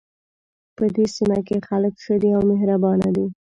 په دې سیمه کې خلک ښه دي او مهربانه دي